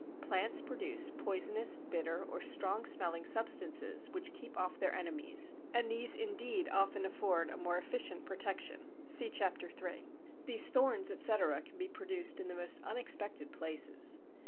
Plants produce poisonous, bitter, or strong smelling substances which keep off their enemies, and these indeed often afford a more efficient protection (see Chap. III.). These thorns, etc., can be produced in the most unexpected places.